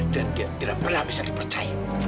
dan dia tidak pernah bisa dipercaya